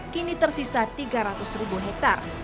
kini tersisa tiga ratus ribu hektare